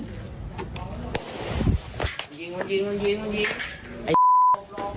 มันยิงมันยิงมันยิง